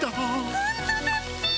本当だっピィ。